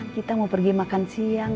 kita mau pergi makan siang